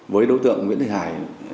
với đối tượng nguyễn thị hải